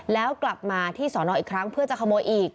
แล้วกลับมาที่สอนออีกครั้งเพื่อจะขโมยอีก